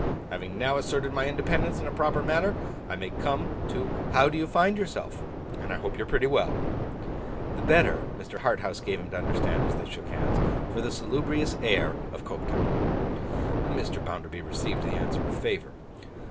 Having now asserted my independence in a proper manner, I may come to how do you find yourself, and I hope you're pretty well.' The better, Mr. Harthouse gave him to understand as they shook hands, for the salubrious air of Coketown. Mr. Bounderby received the answer with favour.